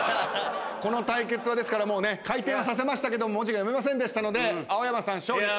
この対決は回転させましたけど文字が読めませんでしたので青山さん勝利。